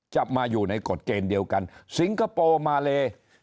จะมาอยู่ในกฎเกณฑ์เดียวกันสิงคโปร์มาเล